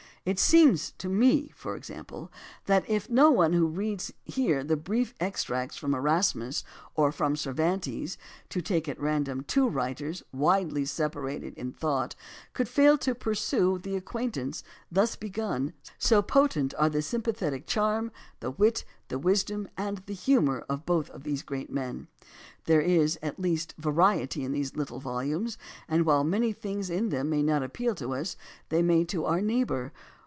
It seems to me, for example, as if no one who reads here the brief extracts from Erasmus or from Cervantes, to take at random two writers widely separated in thought, could fail to pursue the acquaintance thus begun, so potent are the sympa thetic charm, the wit, the wisdom, and the humor of both these great men. There is, at least, variety in these little volumes, and while many things in them may not appeal to us, they may to our neighbor.